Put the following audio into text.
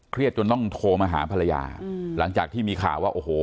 จนต้องโทรมาหาภรรยาหลังจากที่มีข่าวว่าโอ้โห